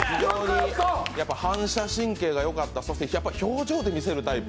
反射神経がよかったそして表情でみせるタイプ